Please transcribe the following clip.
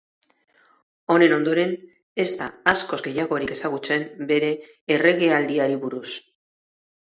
Honen ondoren, ez da askoz gehiagorik ezagutzen bere erregealdiari buruz.